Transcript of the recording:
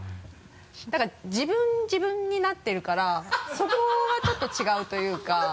だから自分自分になってるからそこがちょっと違うというか。